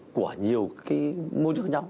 của nhiều môi trường nhau